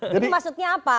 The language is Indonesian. jadi maksudnya apa